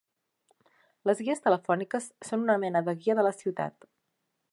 Les guies telefòniques són una mena de guia de la ciutat.